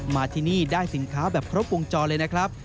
มาที่นี่ได้สินค้าแบบครบวงจรเลยนะครับ